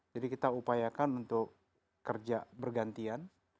jadi kita upayakan untuk kerja bergantian